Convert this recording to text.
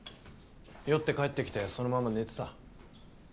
酔って帰ってきてそのまま寝てた。